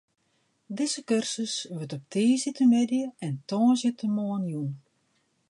Dizze kursus wurdt op tiisdeitemiddei en tongersdeitemoarn jûn.